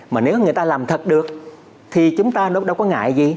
mà nếu người ta làm thật được thì chúng ta đâu có ngại gì